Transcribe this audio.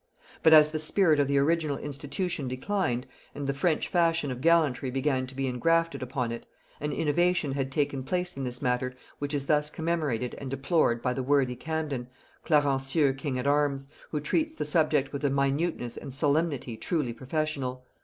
But as the spirit of the original institution declined, and the French fashion of gallantry began to be engrafted upon it, an innovation had taken place in this matter, which is thus commemorated and deplored by the worthy Camden, Clarencieux king at arms, who treats the subject with a minuteness and solemnity truly professional.